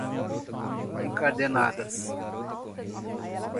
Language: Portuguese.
encadernadas